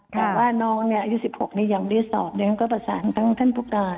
แต่ว่าน้องอายุ๑๖ยังไม่ได้สอบก็ประสานทั้งท่านผู้การ